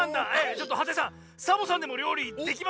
ちょっとハツ江さんサボさんでもりょうりできますかね？